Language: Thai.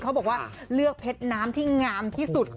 เขาบอกว่าเลือกเพชรน้ำที่งามที่สุด